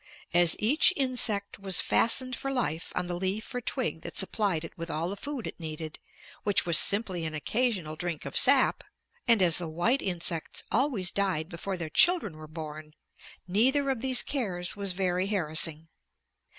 As each insect was fastened for life on the leaf or twig that supplied it with all the food it needed, which was simply an occasional drink of sap, and as the white insects always died before their children were born, neither of these cares was very harassing.